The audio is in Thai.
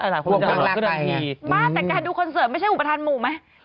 บ้านแต่งการดูคอนเสิร์ตไม่ใช่อุปทานหมู่ไหม